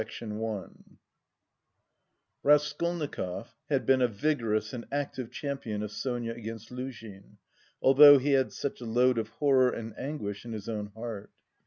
CHAPTER IV Raskolnikov had been a vigorous and active champion of Sonia against Luzhin, although he had such a load of horror and anguish in his own heart.